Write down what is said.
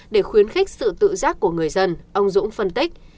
để khuyến khích sự tự giác của người dân ông dũng phân tích